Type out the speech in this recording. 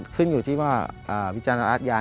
ขึ้นอยู่ที่ว่าวิจารณอาทยา